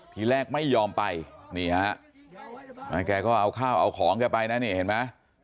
ทีแรกไม่ยอมไปนี่ฮะแกก็เอาข้าวเอาของแกไปนะนี่เห็นไหม